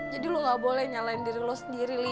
jadi lo gak boleh nyalain diri lo sendiri li